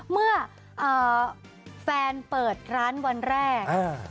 เมื่อแฟนเปิดร้านวันแรก